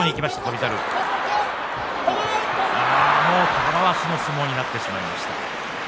玉鷲の相撲になってしまいました。